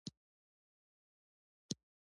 غل د ظلم او تشدد سرچینه ده